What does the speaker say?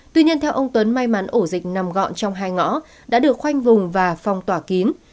tuy nhiên theo ông tuấn may mắn ổ dịch nằm gọn trong hai ngõ đã được khoanh vùng và phong tỏa kín